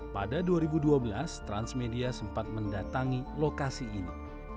pada dua ribu dua belas transmedia sempat mendatangi lokasi ini